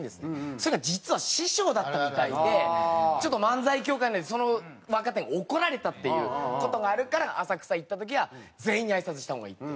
それが実は師匠だったみたいでちょっと漫才協会でその若手が怒られたっていう事があるから浅草行った時は全員にあいさつした方がいいって。